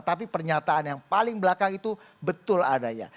tapi pernyataan yang paling belakang itu betul adanya